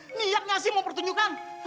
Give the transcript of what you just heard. eh cepetan niat gak sih mau pertunjukan